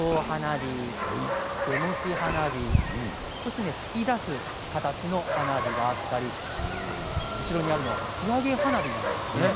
花火手持ち花火そして噴き出す形の花火があったり後ろにあるのが打ち上げ花火です。